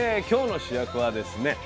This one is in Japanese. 今日の主役はですね